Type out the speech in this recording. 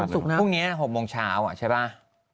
พรุ่งนี้๖โมงเช้าใช่ป่ะ